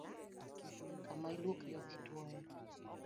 Kama iluokri ok ituoye